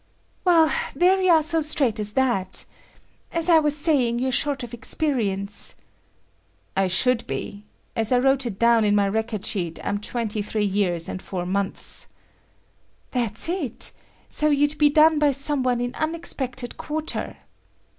"Well, there you are so straight as that. As I was saying, you're short of experience...." "I should be. As I wrote it down in my record sheet, I'm 23 years and four months." "That's it. So you'd be done by some one in unexpected quarter."